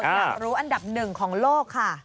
อยากรู้อันดับหนึ่งของโลกค่ะ